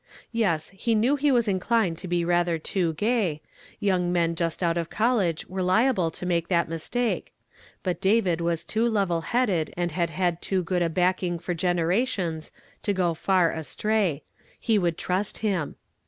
Yes, he knew he was inclined to be rather too gay;' young men just out of college were liable to make that mistake, but David was too level headed and had had too good a backing for generations, to go far astray ; he would trust him.